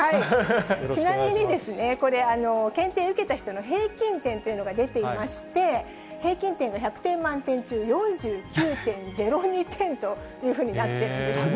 ちなみにこれ、検定受けた人の平均点というのが出ていまして、平均点が１００点満点中、４９．０２点というふうになっているんですね。